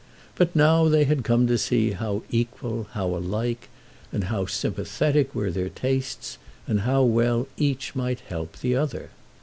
But now they had come to see how equal, how alike, and how sympathetic were their tastes, and how well each might help the other.